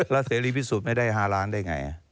แล้วเสรีพิสูจน์ไม่ได้๕ล้านได้ไง